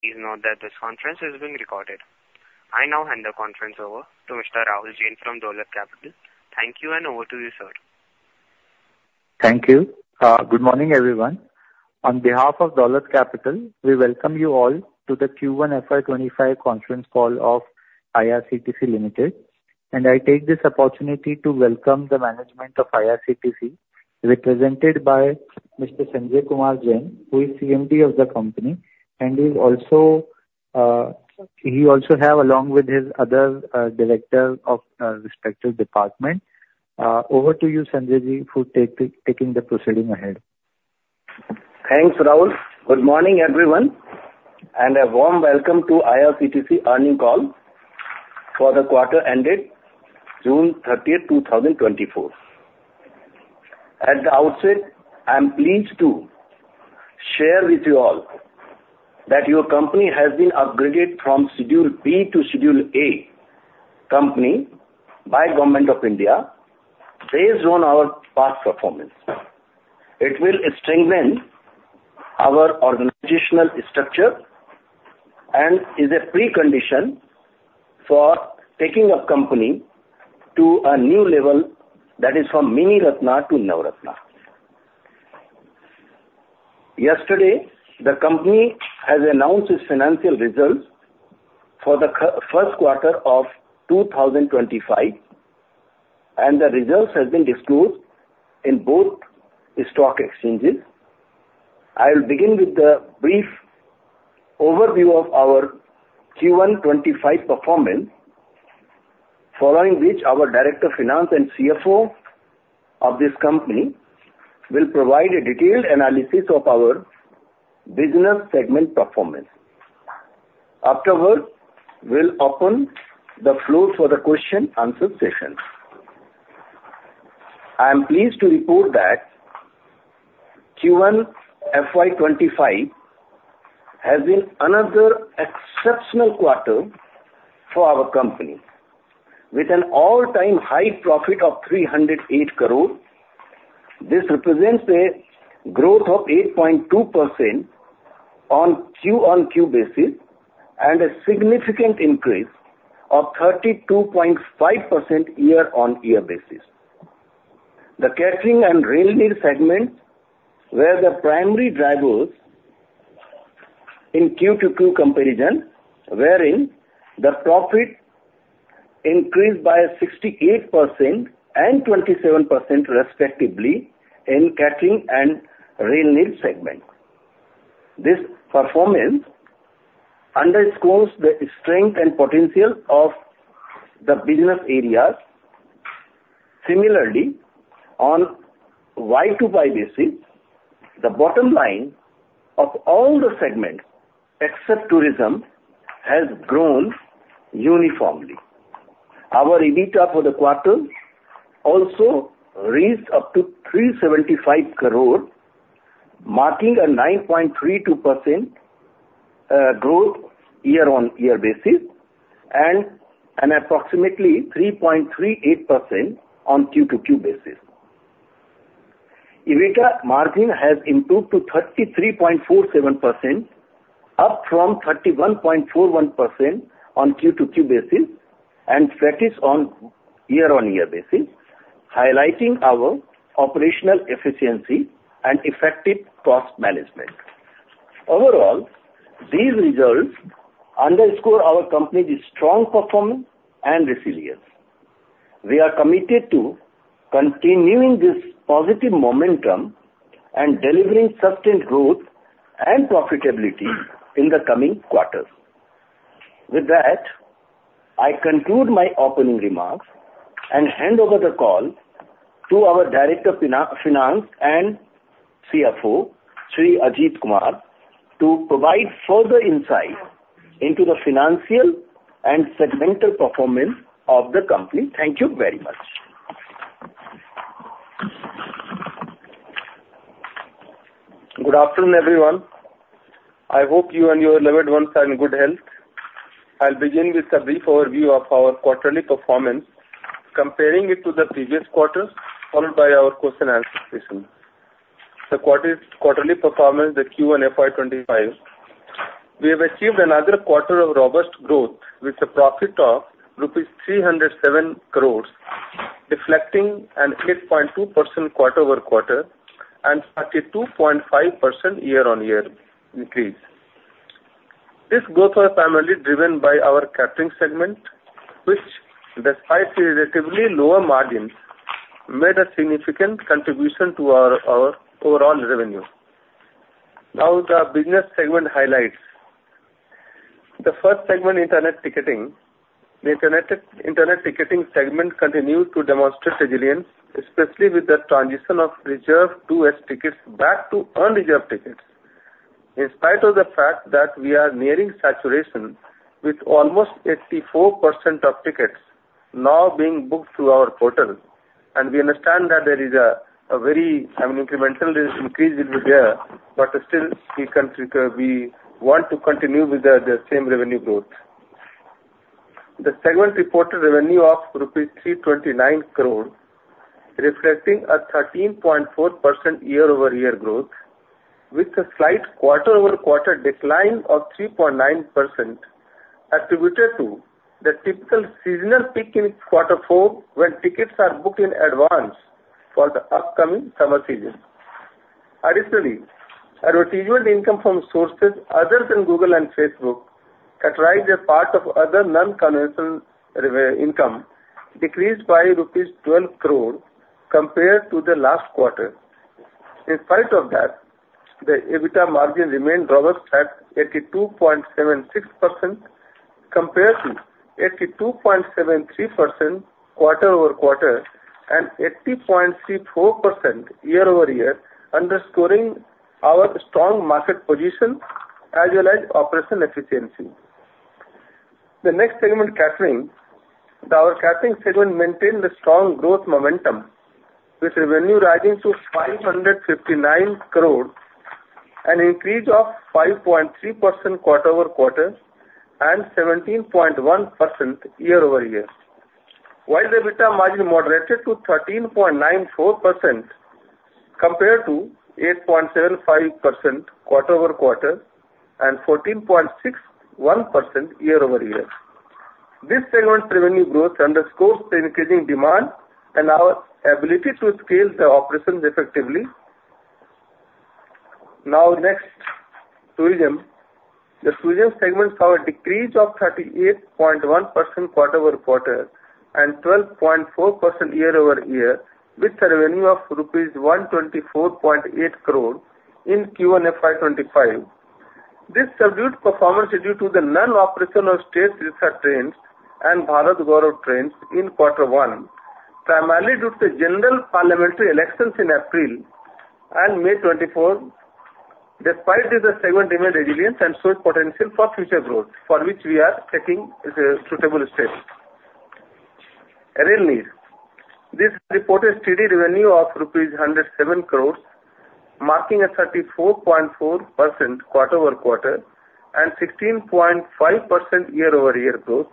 Please note that this conference is being recorded. I now hand the conference over to Mr. Rahul Jain from Dolat Capital. Thank you, and over to you, sir. Thank you. Good morning, everyone. On behalf of Dolat Capital, we welcome you all to the Q1 FY 2025 conference call of IRCTC Limited. I take this opportunity to welcome the management of IRCTC, represented by Mr. Sanjay Kumar Jain, who is CMD of the company, and he's also, he also have along with his other, Director of, respective department. Over to you, Sanjay Ji, for taking the proceeding ahead. Thanks, Rahul. Good morning, everyone, and a warm welcome to IRCTC earnings call for the quarter ended June 30, 2024. At the outset, I'm pleased to share with you all that your company has been upgraded from Schedule B to Schedule A company by Government of India, based on our past performance. It will strengthen our organizational structure and is a precondition for taking our company to a new level that is from Miniratna to Navratna. Yesterday, the company has announced its financial results for the first quarter of 2025, and the results has been disclosed in both stock exchanges. I will begin with the brief overview of our Q1 2025 performance, following which our Director of Finance and CFO of this company will provide a detailed analysis of our business segment performance. Afterward, we'll open the floor for the question and answer session. I am pleased to report that Q1 FY 2025 has been another exceptional quarter for our company, with an all-time high profit of 308 crore. This represents a growth of 8.2% on Q-on-Q basis, and a significant increase of 32.5% year-on-year basis. The catering and railway segment were the primary drivers in Q-to-Q comparison, wherein the profit increased by 68% and 27% respectively in catering and railway segment. This performance underscores the strength and potential of the business areas. Similarly, on YoY basis, the bottom line of all the segments except tourism, has grown uniformly. Our EBITDA for the quarter also reached up to 375 crore, marking a 9.32% growth year-on-year basis and an approximately 3.38% on Q-to-Q basis. EBITDA margin has improved to 33.47%, up from 31.41% on Q-to-Q basis and static on year-on-year basis, highlighting our operational efficiency and effective cost management. Overall, these results underscore our company's strong performance and resilience. We are committed to continuing this positive momentum and delivering sustained growth and profitability in the coming quarters. With that, I conclude my opening remarks and hand over the call to our Director of Finance and CFO, Sri Ajit Kumar, to provide further insight into the financial and segmental performance of the company. Thank you very much. Good afternoon, everyone. I hope you and your loved ones are in good health. I'll begin with a brief overview of our quarterly performance, comparing it to the previous quarter, followed by our question and answer session. Quarterly performance at Q1 FY 2025, we have achieved another quarter of robust growth, with a profit of rupees 307 crore, reflecting an 8.2% quarter-over-quarter and 32.5% year-on-year increase. This growth was primarily driven by our catering segment, which despite relatively lower margins, made a significant contribution to our overall revenue. Now, the business segment highlights. The first segment, internet ticketing. The internet ticketing segment continued to demonstrate resilience, especially with the transition of reserved 2S tickets back to unreserved tickets. In spite of the fact that we are nearing saturation, with almost 84% of tickets now being booked through our portal, and we understand that there is a very, I mean, incremental increase will be there, but still, we can trigger. We want to continue with the same revenue growth. The segment reported revenue of rupees 329 crore, reflecting a 13.4% year-over-year growth, with a slight quarter-over-quarter decline of 3.9%, attributed to the typical seasonal peak in quarter four, when tickets are booked in advance for the upcoming summer season. Additionally, our residual income from sources other than Google and Facebook, categorized as part of other non-conventional revenue income, decreased by 12 crore rupees compared to the last quarter. In spite of that, the EBITDA margin remained robust at 82.76% compared to 82.73% quarter-over-quarter and 80.34% year-over-year, underscoring our strong market position as well as operational efficiency. The next segment, Catering. Our catering segment maintained a strong growth momentum, with revenue rising to 559 crore, an increase of 5.3% quarter-over-quarter and 17.1% year-over-year, while the EBITDA margin moderated to 13.94% compared to 8.75% quarter-over-quarter and 14.61% year-over-year. This segment's revenue growth underscores the increasing demand and our ability to scale the operations effectively. Now, next, tourism. The tourism segment saw a decrease of 38.1% quarter-over-quarter and 12.4% year-over-year, with a revenue of rupees 124.8 crore in Q1 FY 2025. This subdued performance is due to the non-operational State Teertha trains and Bharat Gaurav trains in quarter one, primarily due to the general parliamentary elections in April and May 2024. Despite this, the segment remains resilient and shows potential for future growth, for which we are taking suitable steps. Rail Neer reported steady revenue of rupees 107 crore, marking a 34.4% quarter-over-quarter and 16.5% year-over-year growth.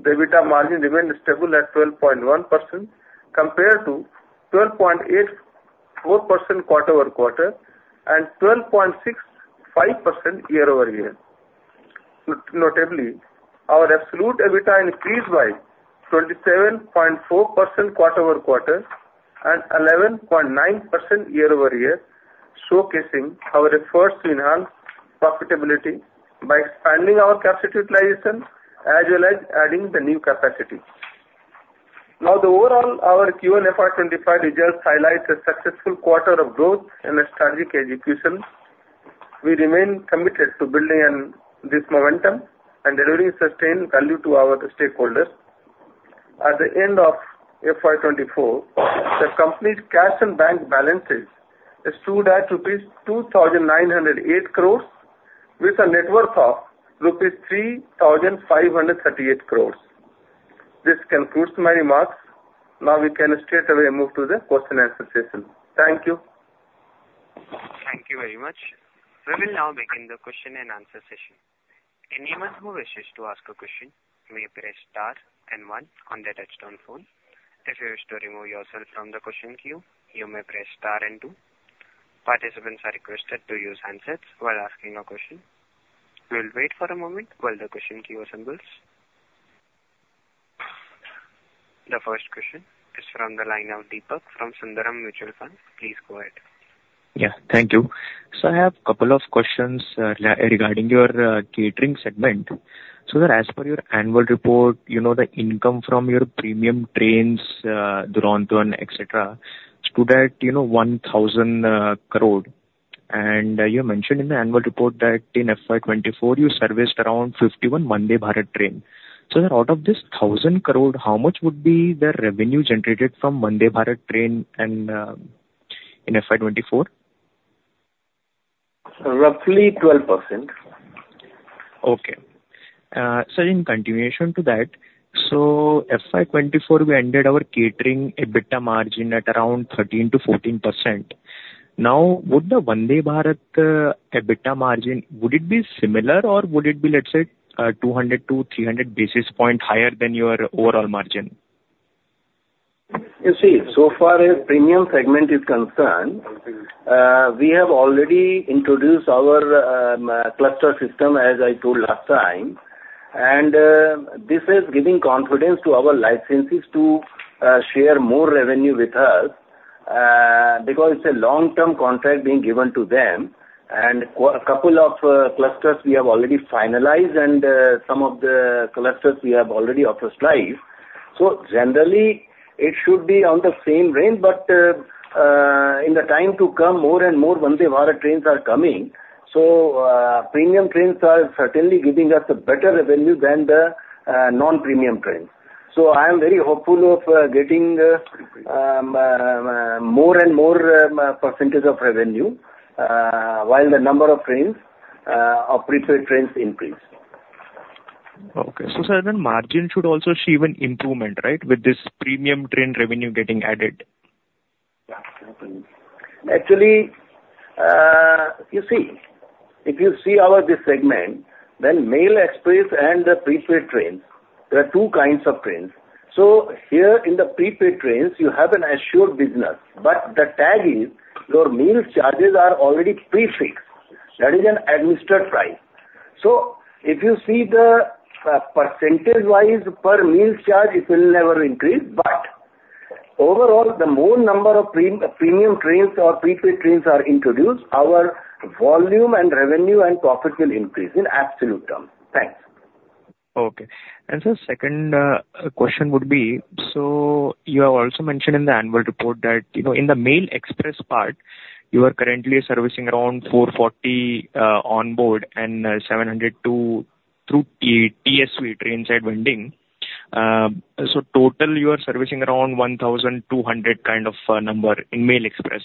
The EBITDA margin remained stable at 12.1%, compared to 12.84% quarter-over-quarter and 12.65% year-over-year. Notably, our absolute EBITDA increased by 27.4% quarter-over-quarter and 11.9% year-over-year, showcasing our efforts to enhance profitability by expanding our capacity utilization as well as adding the new capacity. Now, the overall our Q1 FY 2025 results highlight a successful quarter of growth and a strategic execution. We remain committed to building on this momentum and delivering sustained value to our stakeholders. At the end of FY 2024, the company's cash and bank balances stood at rupees 2,908 crores, with a net worth of rupees 3,538 crores. This concludes my remarks. Now, we can straightaway move to the question and answer session. Thank you. Thank you very much. We will now begin the question and answer session. Anyone who wishes to ask a question may press star and one on their touchtone phone. If you wish to remove yourself from the question queue, you may press star and two. Participants are requested to use handsets while asking a question. We'll wait for a moment while the question queue assembles. The first question is from the line of Deepak from Sundaram Mutual Fund. Please go ahead. Yeah. Thank you. So I have a couple of questions regarding your catering segment. So as per your annual report, you know, the income from your premium trains, Duronto, etcetera, stood at, you know, 1,000 crore. And you mentioned in the annual report that in FY 2024, you serviced around 51 Vande Bharat train. So out of this 1,000 crore, how much would be the revenue generated from Vande Bharat train and in FY 2024? Roughly 12%. Okay. So in continuation to that, so FY 2024, we ended our catering EBITDA margin at around 13%-14%. Now, would the Vande Bharat EBITDA margin, would it be similar, or would it be, let's say, 200-300 basis points higher than your overall margin? You see, so far as premium segment is concerned, we have already introduced our cluster system, as I told last time. This is giving confidence to our licensees to share more revenue with us, because it's a long-term contract being given to them. And a couple of clusters we have already finalized, and some of the clusters we have already offered live. So generally, it should be on the same range, but in the time to come, more and more Vande Bharat trains are coming. So premium trains are certainly giving us a better revenue than the non-premium trains. So I am very hopeful of getting more and more percentage of revenue while the number of trains of premium trains increase. Okay. So, sir, then margin should also see even improvement, right? With this premium train revenue getting added. Actually, you see, if you see our this segment, then Mail/Express and the Prepaid Trains, there are two kinds of trains. So here in the Prepaid Trains, you have an assured business, but the tag is your meal charges are already prefixed. That is an administered price. So if you see the percentage-wise per meal charge, it will never increase, but overall, the more number of premium trains or Prepaid Trains are introduced, our volume and revenue and profit will increase in absolute terms. Thanks. Okay. Second question would be: so you have also mentioned in the annual report that, you know, in the Mail/Express part, you are currently servicing around 440 on board and 702 through TSV, train side vending. Total you are servicing around 1,200 kind of number in Mail/Express.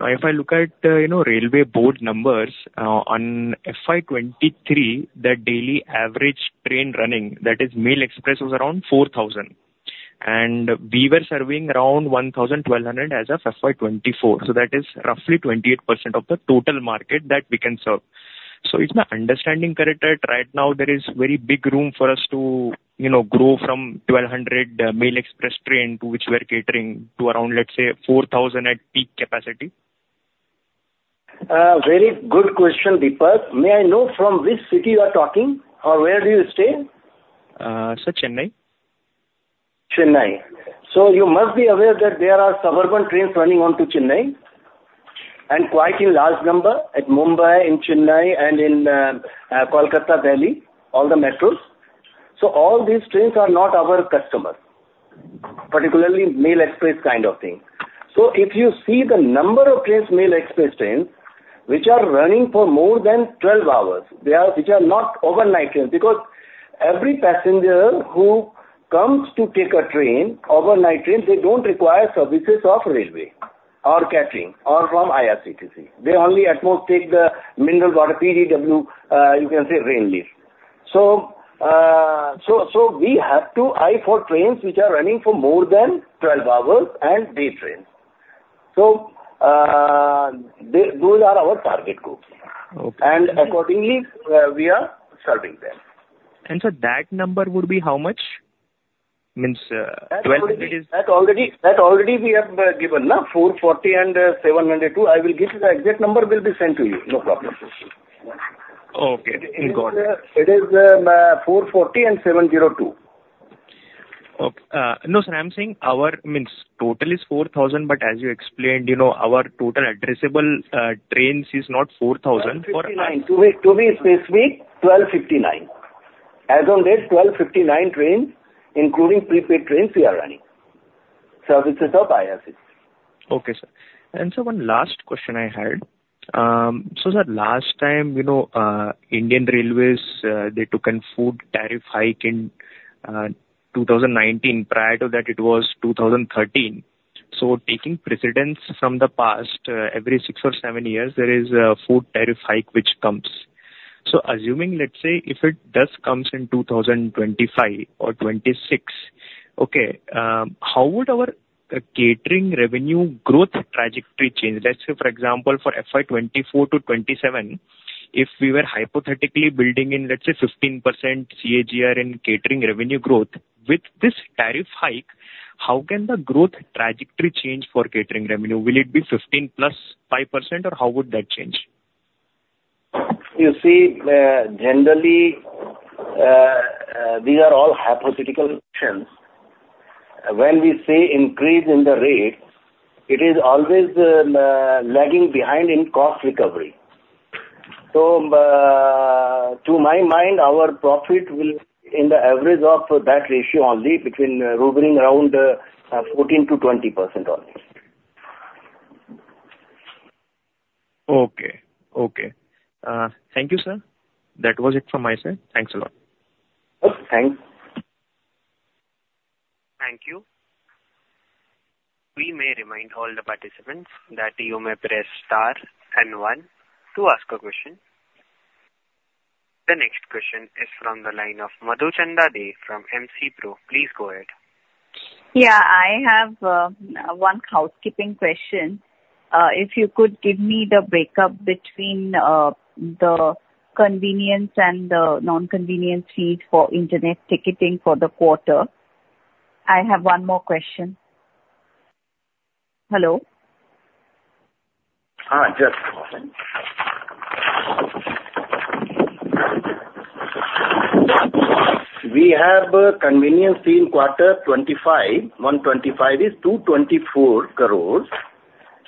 Now, if I look at, you know, railway board numbers, on FY 2023, the daily average train running, that is Mail/Express, was around 4,000. And we were serving around 1,000-1,200 as of FY 2024, so that is roughly 28% of the total market that we can serve. So is my understanding correct, that right now there is very big room for us to, you know, grow from 1,200 Mail/Express trains to which we are catering, to around, let's say, 4,000 at peak capacity? Very good question, Deepak. May I know from which city you are talking? Or where do you stay? Sir, Chennai. Chennai. So you must be aware that there are suburban trains running on to Chennai, and quite in large number, at Mumbai and Chennai and in Kolkata, Delhi, all the metros. So all these trains are not our customer, Mail/Express kind of thing. So if you see the number of trains, Mail/Express trains, which are running for more than 12 hours, they are which are not overnight trains. Because every passenger who comes to take a train, overnight train, they don't require services of railway or catering or from IRCTC. They only at most take the mineral water, PDW, you can say Rail Neer. So, so we have to eye for trains which are running for more than 12 hours and day trains. So, those are our target groups. Okay. Accordingly, we are serving them. Sir, that number would be how much? Means, 12 it is. That already we have given, no? INR 440 and INR 702. I will give you the exact number will be sent to you, no problem. Okay, got it. It is 440, 702. OK. No, sir, I'm saying our means total is 4,000, but as you explained, you know, our total addressable trains is not 4,000. 1,259. To be specific, 1,259. As of this, 1,259 trains, including prepaid trains, we are running services of IRCTC. Okay, sir. And sir, one last question I had. So the last time, you know, Indian Railways, they took a food tariff hike in 2019. Prior to that, it was 2013. So taking precedence from the past, every six or seven years, there is a food tariff hike which comes. So assuming, let's say, if it does comes in 2025 or 2026, okay, how would our catering revenue growth trajectory change? Let's say, for example, for FY 2024 to 2027, if we were hypothetically building in, let's say, 15% CAGR in catering revenue growth, with this tariff hike, how can the growth trajectory change for catering revenue? Will it be 15+5%, or how would that change? You see, generally, these are all hypothetical questions. When we say increase in the rates, it is always, lagging behind in cost recovery. So, to my mind, our profit will in the average of that ratio only between hovering around, 14%-20% only. Okay. Okay. Thank you, sir. That was it from my side. Thanks a lot. Okay, thanks. Thank you. We may remind all the participants that you may press star and one to ask a question. The next question is from the line of Madhuchanda Dey from MC Pro. Please go ahead. Yeah, I have one housekeeping question. If you could give me the break-up between the convenience and the non-convenience fee for Internet ticketing for the quarter. I have one more question. Hello? Just a moment. We have a convenience fee in quarter 2025, 125 is 224 crore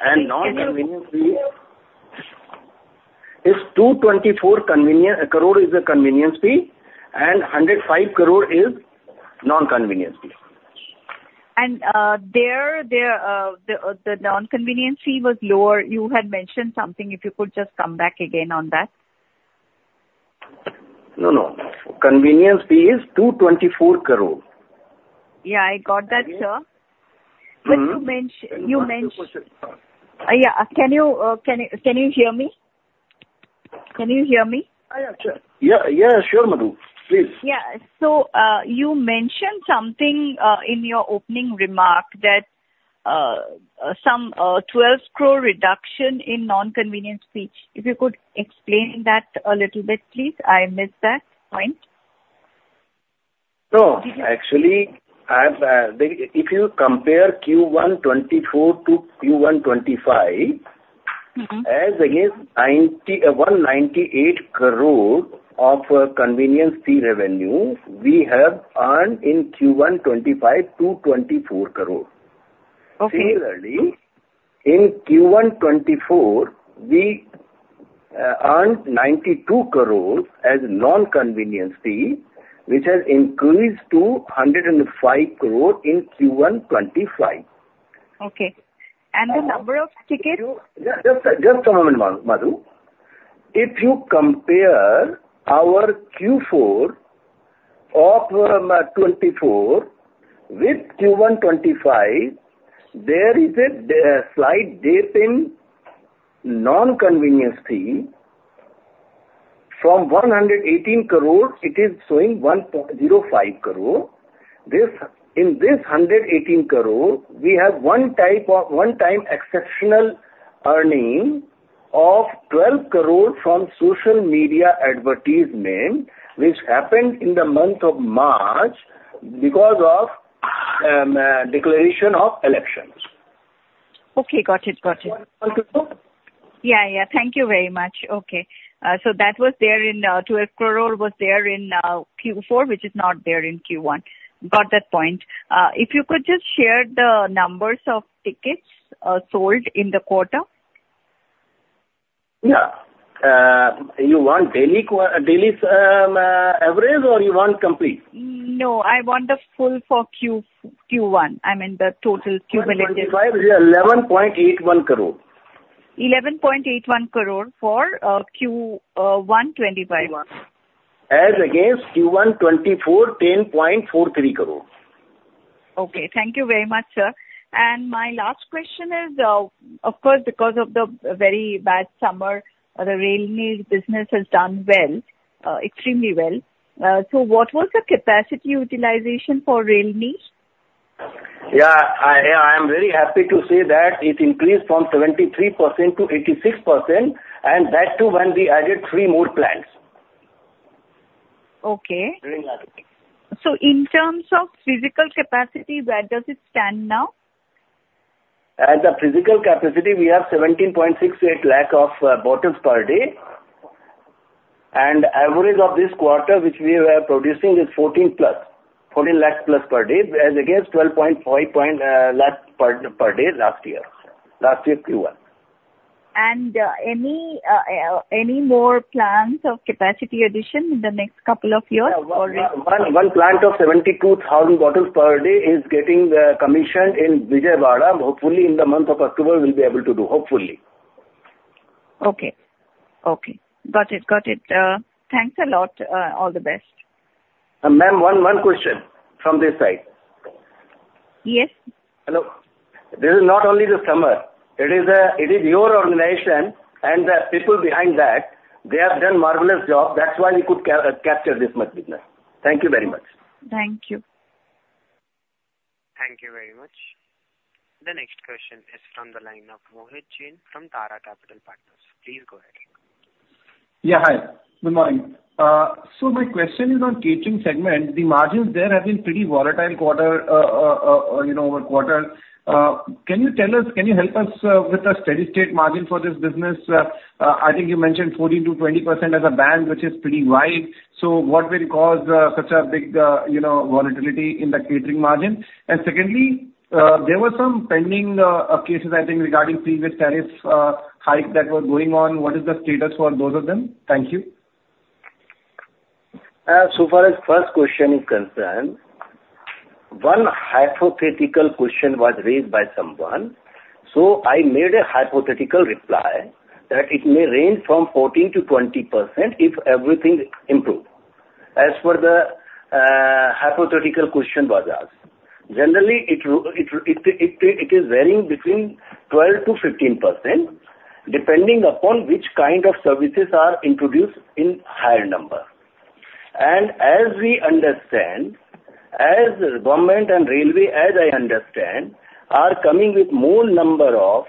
and non-convenience fee. Thank you. Is 224 crore convenience crore is the convenience fee, and 105 crore is non-convenience fee. The non-convenience fee was lower. You had mentioned something, if you could just come back again on that. No, no. Convenience Fee is 224 crore. Yeah, I got that, sir. But you mentioned. One more question. Yeah. Can you hear me? Can you hear me? Oh, yeah, sure. Yeah, yeah, sure, Madhu. Please. Yeah. So, you mentioned something in your opening remark that some 12 crore reduction in non-convenience fee. If you could explain that a little bit, please. I missed that point. Actually, if you compare Q1 2024 to Q1 2025. As against 198 crore of convenience fee revenue we have earned in Q1 2025 to 24 crore. Okay. Similarly, in Q1 2024, we earned 92 crore as non-convenience fee, which has increased to 105 crore in Q1 2025. Okay. The number of tickets? Just a moment, Madhu. If you compare our Q4 of 2024 with Q1 2025, there is a slight dip in non-convenience fee from 118 crore, it is showing 1.05 crore. This, in this 118 crore, we have one type of one time exceptional earning of 12 crore from social media advertisement, which happened in the month of March because of declaration of elections. Okay, got it. Got it. All clear? Yeah, yeah. Thank you very much. Okay. So that was there in, twelve crore was there in, Q4, which is not there in Q1. Got that point. If you could just share the numbers of tickets, sold in the quarter. Yeah. You want daily average or you want complete? No, I want the full for Q1. I mean the total Q1. 25 is INR 11.81 crore. INR 11.81 crore for Q1 2025. As against Q1 2024, INR 10.43 crore. Okay. Thank you very much, sir. My last question is, of course, because of the very bad summer, the Rail Neer business has done well, extremely well. What was the capacity utilization for Rail Neer? Yeah, I am very happy to say that it increased from 73% to 86%, and that too when we added three more plants. Okay. Very happy. In terms of physical capacity, where does it stand now? As a physical capacity, we have 17.68 lakh of bottles per day. And average of this quarter, which we were producing, is 14+, 14 lakh plus per day, as against 12.5 lakh per day last year Q1. And, any more plans of capacity addition in the next couple of years or. One plant of 72,000 bottles per day is getting commissioned in Vijayawada. Hopefully, in the month of October we'll be able to do. Hopefully. Okay. Okay. Got it. Got it. Thanks a lot. All the best. Ma'am, one question from this side. Yes. Hello. This is not only the summer, it is, it is your organization and the people behind that, they have done marvelous job. That's why we could capture this much business. Thank you very much. Thank you. Thank you very much. The next question is from the line of Mohit Jain from Tara Capital Partners. Please go ahead. Yeah, hi. Good morning. So my question is on catering segment. The margins there have been pretty volatile quarter over quarter. Can you tell us, can you help us with the steady state margin for this business? I think you mentioned 14%-20% as a band, which is pretty wide. So what will cause such a big volatility in the catering margin? And secondly, there were some pending cases, I think, regarding previous tariffs hike that were going on. What is the status for those of them? Thank you. So far as first question is concerned, one hypothetical question was raised by someone, so I made a hypothetical reply that it may range from 14%-20% if everything improve. As for the hypothetical question was asked, generally, it is varying between 12%-15%, depending upon which kind of services are introduced in higher number. And as we understand, as government and railway, as I understand, are coming with more number of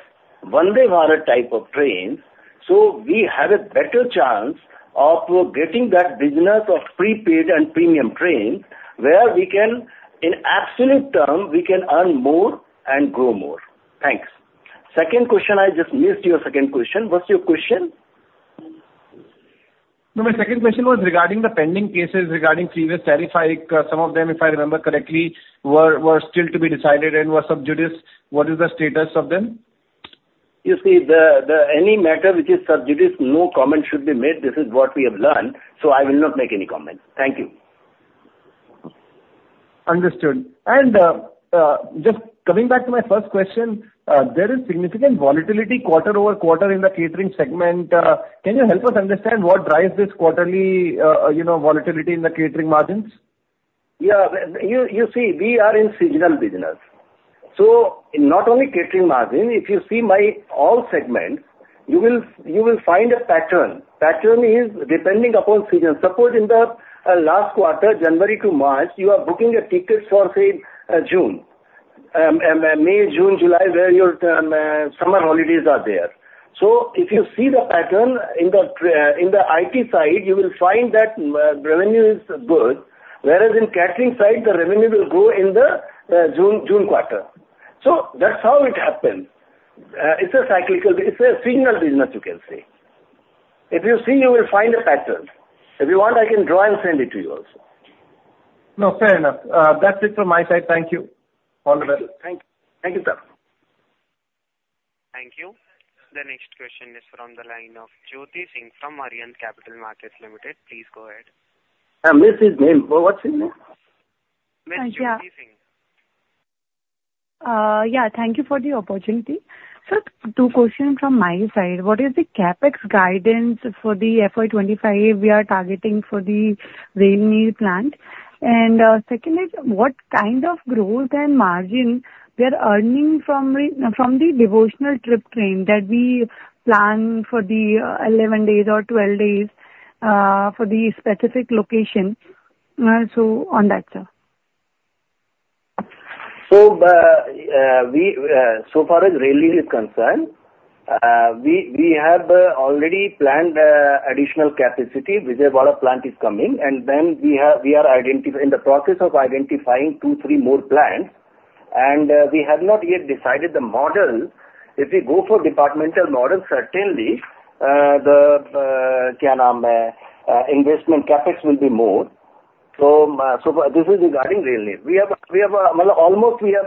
Vande Bharat type of trains, so we have a better chance of getting that business of prepaid and premium trains, where we can, in absolute term, we can earn more and grow more. Thanks. Second question, I just missed your second question. What's your question? No, my second question was regarding the pending cases regarding previous tariff hike. Some of them, if I remember correctly, were still to be decided and were sub judice. What is the status of them? You see, any matter which is sub judice, no comment should be made. This is what we have learned, so I will not make any comments. Thank you. Understood. Just coming back to my first question, there is significant volatility quarter-over-quarter in the catering segment. Can you help us understand what drives this quarterly, you know, volatility in the catering margins? Yeah, you, you see, we are in seasonal business, so not only catering margin, if you see my all segments, you will, you will find a pattern. Pattern is depending upon season. Suppose in the last quarter, January to March, you are booking a ticket for, say, June. May, June, July, where your summer holidays are there. So if you see the pattern in the IT side, you will find that revenue is good, whereas in catering side, the revenue will go in the, the June, June quarter. So that's how it happens. It's a cyclical, it's a seasonal business, you can say. If you see, you will find a pattern. If you want, I can draw and send it to you also. No, fair enough. That's it from my side. Thank you. All the best. Thank you. Thank you, sir. Thank you. The next question is from the line of Jyoti Singh from Arihant Capital Markets Ltd. Please go ahead. I missed his name. What's his name? Miss Jyoti Singh. Yeah. Thank you for the opportunity. Sir, two questions from my side. What is the CapEx guidance for the FY 2025 we are targeting for the railway plant? And, secondly, what kind of growth and margin we are earning from the devotional trip train that we plan for the 11 days or 12 days for the specific location? So on that, sir. So, so far as railway is concerned, we have already planned additional capacity. Vijayawada plant is coming, and then we are in the process of identifying two, three more plants, and we have not yet decided the model. If we go for departmental model, certainly, the investment CapEx will be more. So, this is regarding railway. We have almost the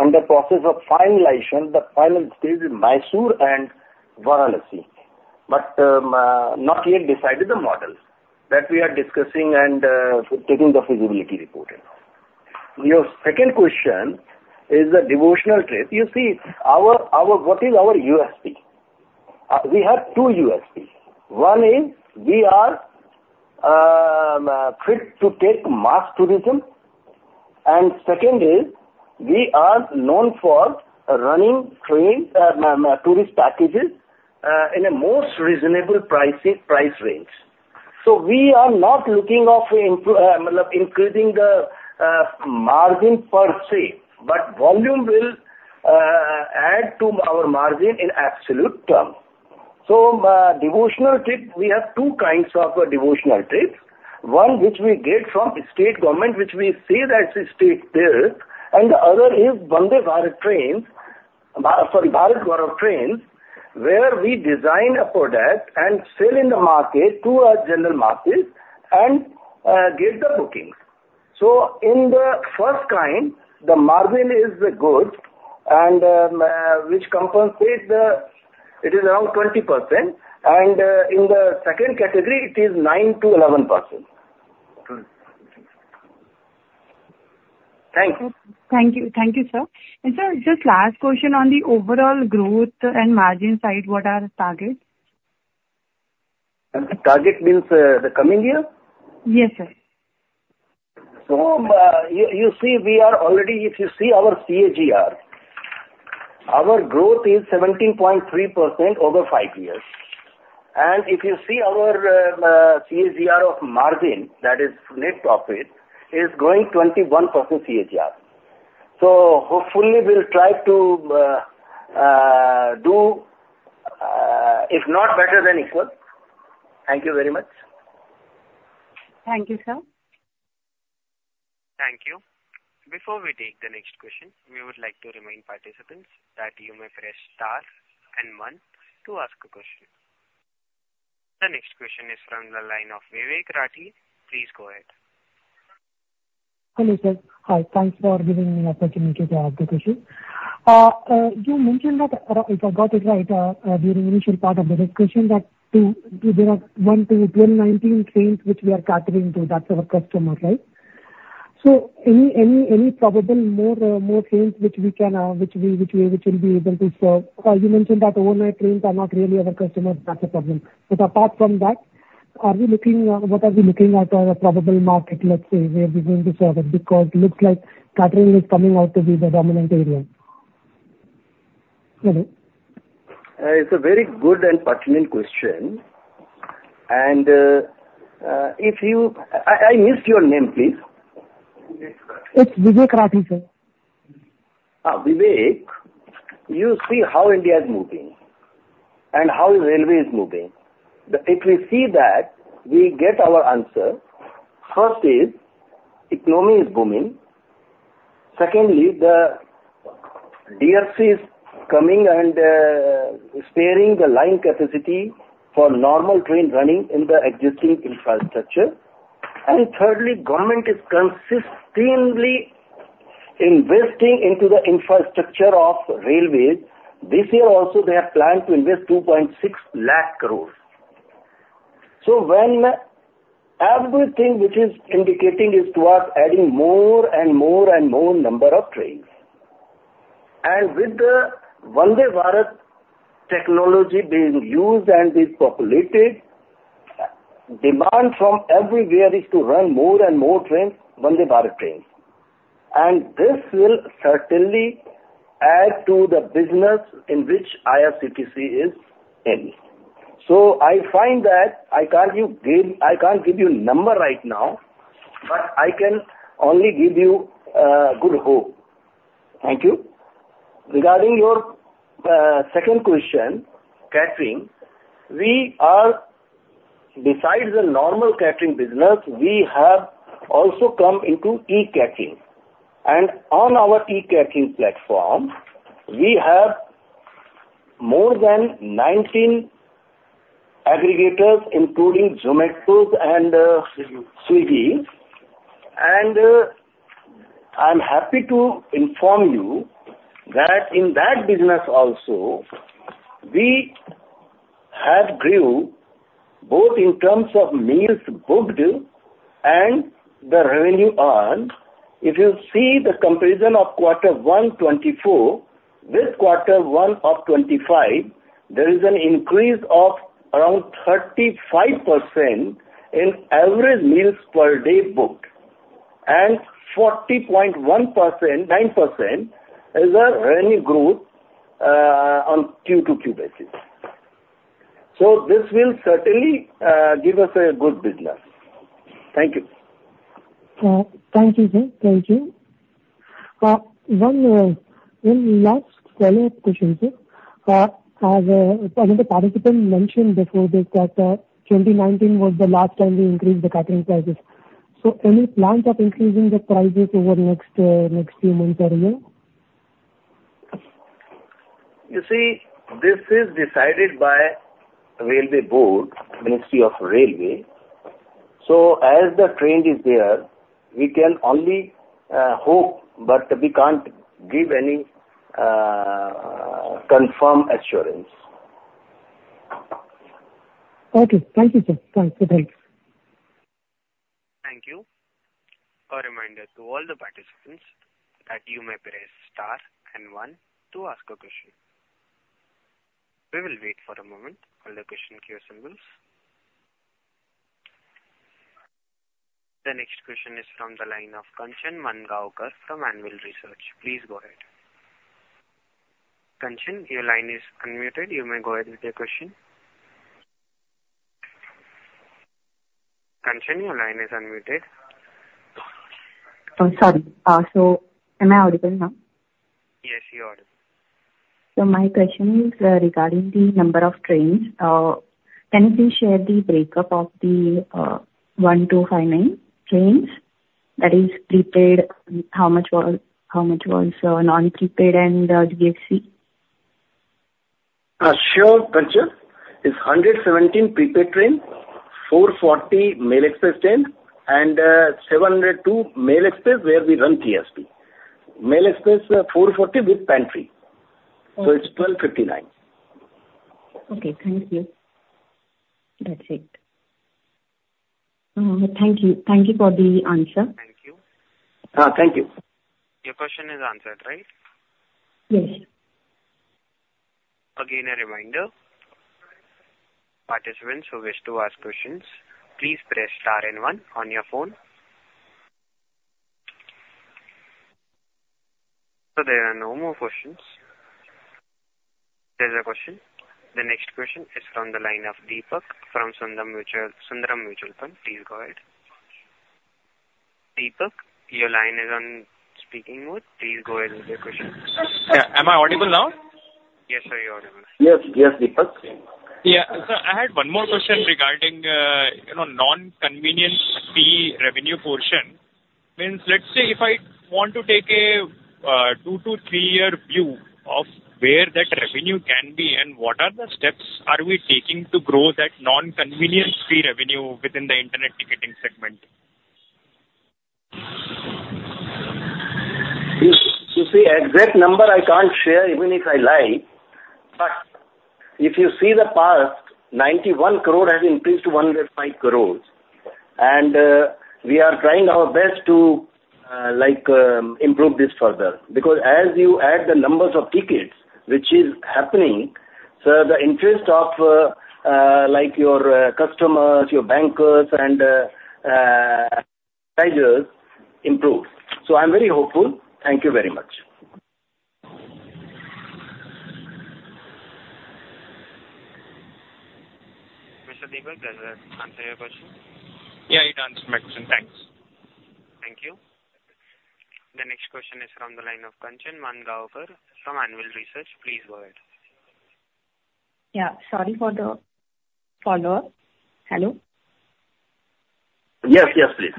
under process of finalization, the final stage in Mysore and Varanasi, but not yet decided the models. That we are discussing and taking the feasibility report now. Your second question is the devotional trip. You see, our, what is our USP? We have two USP. One is we are fit to take mass tourism, and secondly, we are known for running train tourist packages in a most reasonable pricing price range. So we are not looking of increasing the margin per se, but volume will add to our margin in absolute term. So, devotional trip, we have two kinds of devotional trips: one, which we get from state government, which we say that state pilgrimage, and the other is Vande Bharat trains, sorry, Bharat Gaurav train, where we design a product and sell in the market to our general market and get the bookings. So in the first kind, the margin is good and which compensates the. It is around 20%, and in the second category, it is 9%-11%. Thank you. Thank you. Thank you, sir. Sir, just last question on the overall growth and margin side, what are the targets? Target means, the coming year? Yes, sir. So, you see, we are already, if you see our CAGR, our growth is 17.3% over five years. And if you see our CAGR of margin, that is net profit, is growing 21% CAGR. So hopefully we'll try to do, if not better, than equal. Thank you very much. Thank you, sir. Thank you. Before we take the next question, we would like to remind participants that you may press Star and One to ask a question. The next question is from the line of Vivek Rathi. Please go ahead. Hello, sir. Hi. Thanks for giving me the opportunity to ask the question. You mentioned that, if I got it right, during the initial part of the discussion, that there are 1-19 trains which we are catering to, that's our customer, right? So any more trains which we will be able to serve? You mentioned that overnight trains are not really our customers, that's a problem. But apart from that, are we looking, what are we looking at our probable market, let's say, where we're going to serve it? Because looks like catering is coming out to be the dominant area. Hello? It's a very good and pertinent question, and if you. I missed your name, please. Vivek Rathi. It's Vivek Rathi, sir. Ah, Vivek, you see how India is moving and how railway is moving. If we see that, we get our answer. First is, economy is booming. Secondly, the DFC is coming and sparing the line capacity for normal train running in the existing infrastructure. And thirdly, government is consistently investing into the infrastructure of railways. This year also, they are planning to invest 260,000 crore. So when everything which is indicating is towards adding more and more and more number of trains. And with the Vande Bharat technology being used and being populated, demand from everywhere is to run more and more trains, Vande Bharat trains. And this will certainly add to the business in which IRCTC is in. So I find that I can't give you, I can't give you a number right now, but I can only give you good hope. Thank you. Regarding your second question, catering. We are, besides the normal catering business, we have also come into e-catering. And on our e-catering platform, we have more than 19 aggregators, including Zomato and Swiggy. And I'm happy to inform you that in that business also, we have grew both in terms of meals booked and the revenue earned. If you see the comparison of quarter one 2024 with quarter one of 2025, there is an increase of around 35% in average meals per day booked, and 40.1%, 9% is a revenue growth on quarter-over-quarter basis. So this will certainly give us a good business. Thank you. Thank you, sir. Thank you. One last follow-up question, sir. As another participant mentioned before that, 2019 was the last time we increased the catering prices. So any plans of increasing the prices over the next few months or a year? You see, this is decided by Railway Board, Ministry of Railways. So as the trend is there, we can only hope, but we can't give any confirmed assurance. Okay. Thank you, sir. Thanks, thanks. Thank you. A reminder to all the participants that you may press star and one to ask a question. We will wait for a moment while the question queue assembles. The next question is from the line of Kanchan Mangaonkar from Anvil Research. Please go ahead. Kanchan, your line is unmuted. You may go ahead with your question. Kanchan, your line is unmuted. Oh, sorry. So am I audible now? Yes, you're audible. So my question is regarding the number of trains. Can you please share the breakup of the 159 trains? That is prepaid, how much was, how much was, non-prepaid and TSC? Sure, Kanchan. It's 117 Prepaid Trains, 440 Mail/Express trains, and 702 Mail/Express where we run TSP. Mail/Express, 440 with pantry. Okay. It's 12.59. Okay, thank you. That's it. Thank you. Thank you for the answer. Thank you. Thank you. Your question is answered, right? Yes. Again, a reminder. Participants who wish to ask questions, please press Star and One on your phone. So there are no more questions. There's a question. The next question is from the line of Deepak from Sundaram Mutual Fund. Please go ahead. Deepak, your line is on speaking mode. Please go ahead with your question. Yeah. Am I audible now? Yes, sir, you're audible. Yes, yes, Deepak. Yeah. So I had one more question regarding, you know, non-convenience fee revenue portion. Means, let's say, if I want to take a 2-3 year view of where that revenue can be, and what are the steps are we taking to grow that non-convenience fee revenue within the internet ticketing segment? You, you see, exact number I can't share, even if I like. But if you see the past, 91 crore has increased to 105 crore. We are trying our best to, like, improve this further, because as you add the numbers of tickets, which is happening, so the interest of, like, your, customers, your bankers, and, treasuries improve. I'm very hopeful. Thank you very much. Mr. Deepak, does that answer your question? Yeah, you answered my question. Thanks. Thank you. The next question is from the line of Kanchan Mangaonkar from Anvil Research. Please go ahead. Yeah, sorry for the follow-up. Hello? Yes, yes, please.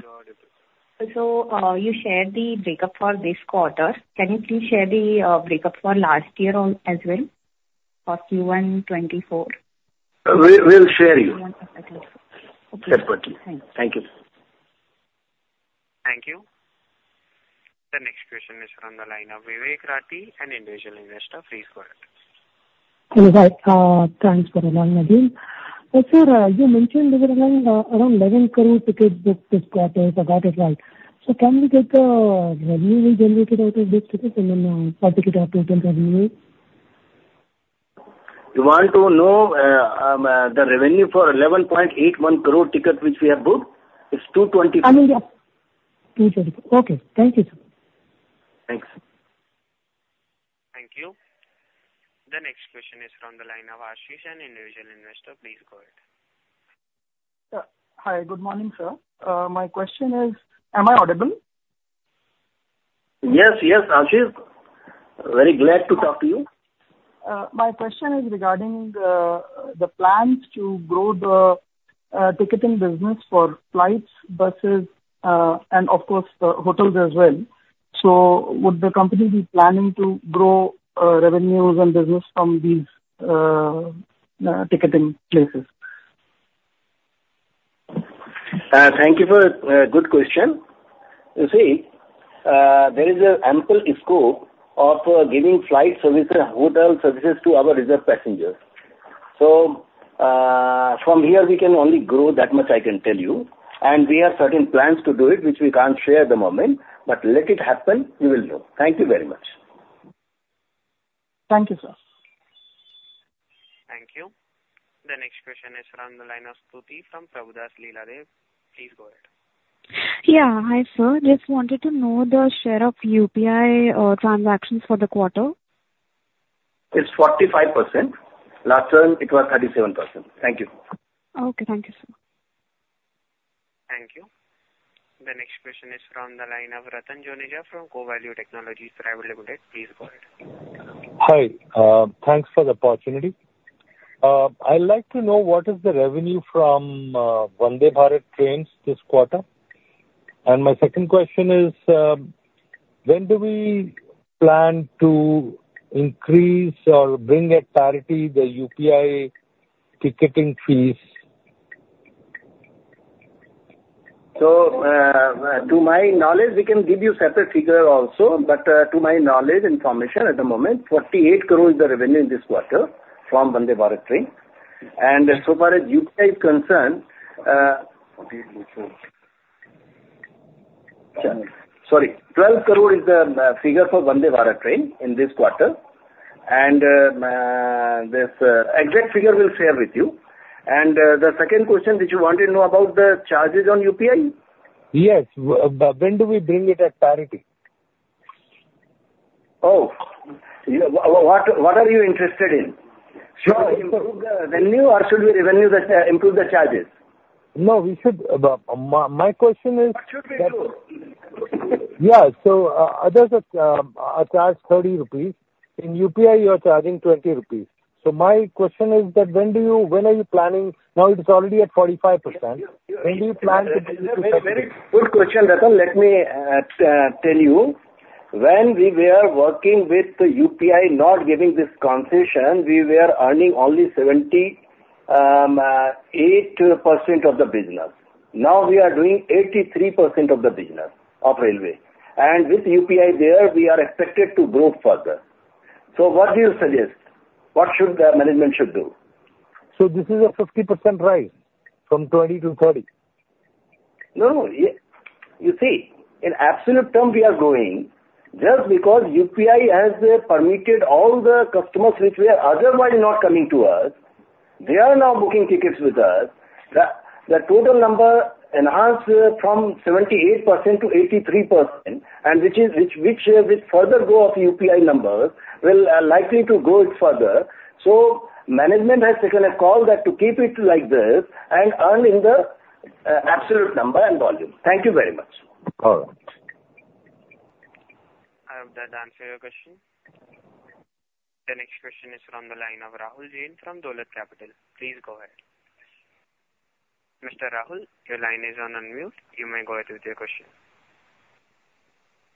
You shared the break-up for this quarter. Can you please share the break-up for last year as well, for Q1 2024? We'll share you. Okay. Certainly. Thanks. Thank you. Thank you. The next question is from the line of Vivek Rathi, an individual investor. Please go ahead. Hello, right, thanks, and then. But sir, you mentioned around 11 crore tickets booked this quarter, if I got it right. So can we get the revenue we generated out of this ticket and then per ticket or total revenue? You want to know, the revenue for 11.81 crore ticket which we have booked? It's 220. I mean, yeah. 220. Okay. Thank you, sir. Thanks. Thank you. The next question is from the line of Ashish, an individual investor. Please go ahead. Hi, good morning, sir. My question is. Am I audible? Yes, yes, Ashish. Very glad to talk to you. My question is regarding the plans to grow the ticketing business for flights, buses, and of course, the hotels as well. So would the company be planning to grow revenues and business from these ticketing places? Thank you for good question. You see, there is an ample scope of giving flight services, hotel services to our reserved passengers. So, from here we can only grow, that much I can tell you, and we have certain plans to do it, which we can't share at the moment, but let it happen, you will know. Thank you very much. Thank you, sir. Thank you. The next question is from the line of Stuti from Prabhudas Lilladher. Please go ahead. Yeah. Hi, sir. Just wanted to know the share of UPI transactions for the quarter. It's 45%. Last one, it was 37%. Thank you. Okay, thank you, sir. Thank you. The next question is from the line of Rattan Joneja from CoValue Technologies Pvt Ltd. Please go ahead. Hi. Thanks for the opportunity. I'd like to know what is the revenue from Vande Bharat trains this quarter? And my second question is: When do we plan to increase or bring at parity the UPI ticketing fees? So, to my knowledge, we can give you separate figure also, but, to my knowledge information at the moment, INR 48 crore is the revenue in this quarter from Vande Bharat train. And so far as UPI is concerned. Sorry, 12 crore is the figure for Vande Bharat train in this quarter. And, this exact figure we'll share with you. And, the second question, did you want to know about the charges on UPI? Yes. But when do we bring it at parity? Oh, yeah. What are you interested in? Sure. Improve the revenue or should we improve the charges? No, we should, my question is. What should we do? Yeah. So, others are charged 30 rupees. In UPI, you are charging 20 rupees. So my question is that, when do you, when are you planning. Now, it is already at 45%. Yeah. When do you plan to. Very, very good question, Rattan. Let me tell you, when we were working with the UPI not giving this concession, we were earning only 78% of the business. Now, we are doing 83% of the business of railway. And with UPI there, we are expected to grow further. So what do you suggest? What should the management should do? This is a 50% rise, from 20 to 30. No, you see, in absolute term, we are growing. Just because UPI has permitted all the customers which were otherwise not coming to us, they are now booking tickets with us. The total number enhanced from 78% to 83%, and which with further growth of UPI numbers, will likely to grow it further. So management has taken a call that to keep it like this and earn in the absolute number and volume. Thank you very much. All right. I hope that answered your question. The next question is from the line of Rahul Jain from Dolat Capital. Please go ahead. Mr. Rahul, your line is on unmute. You may go ahead with your question.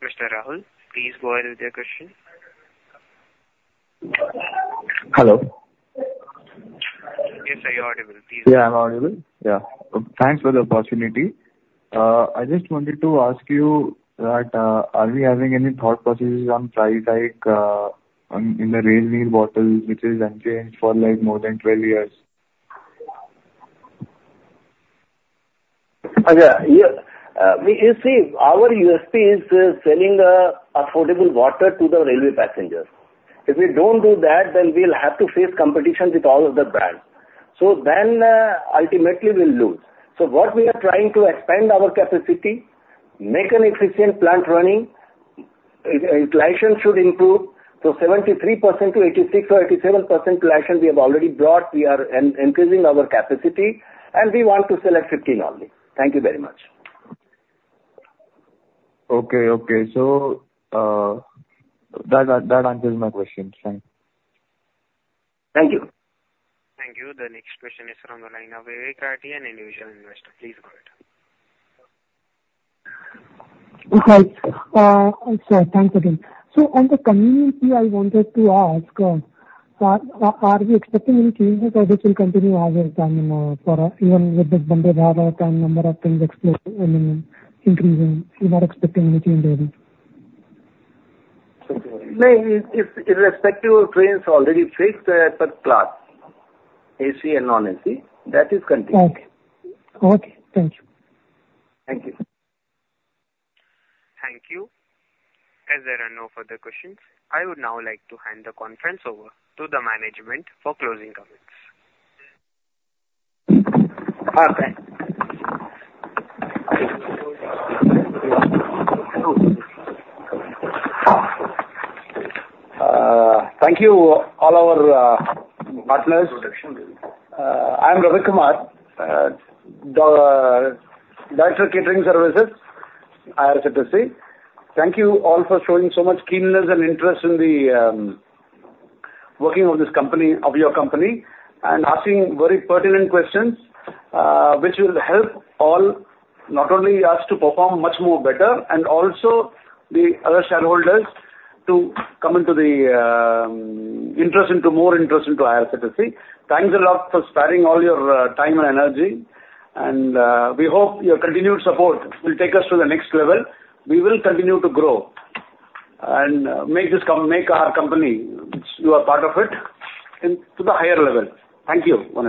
Mr. Rahul, please go ahead with your question. Hello? Yes, are you audible? Please. Yeah, I'm audible. Yeah. Thanks for the opportunity. I just wanted to ask you that, are we having any thought processes on price, like, on, in the Rail Neer water bottle, which is unchanged for, like, more than 12 years? Yeah, we, you see, our USP is selling affordable water to the railway passengers. If we don't do that, then we'll have to face competition with all of the brands. So then, ultimately we'll lose. So what we are trying to expand our capacity, make an efficient plant running, utilization should improve, so 73%-86% or 87% utilization we have already brought. We are increasing our capacity, and we want to sell at 15 only. Thank you very much. Okay, okay. So, that answers my question. Thanks. Thank you. Thank you. The next question is from the line of Vivek Rathi and individual investor. Please go ahead. Okay. So thanks again. So on the community, I wanted to ask, are we expecting any changes or this will continue as is, for even with this Vande Bharat and number of trains exclusive and then increasing, we're not expecting any change over it? No, it, irrespective of trains, already fixed, per class, AC and non-AC, that is continuing. Okay. Okay, thank you. Thank you. Thank you. As there are no further questions, I would now like to hand the conference over to the management for closing comments. Thank you all our partners. I'm Ravikumar, the Director of Catering Services, IRCTC. Thank you all for showing so much keenness and interest in the working of this company, of your company, and asking very pertinent questions, which will help all, not only us to perform much more better, and also the other shareholders to come into the interest, into more interest into IRCTC. Thanks a lot for sparing all your time and energy, and we hope your continued support will take us to the next level. We will continue to grow and make our company, which you are part of it, in, to the higher level. Thank you once again.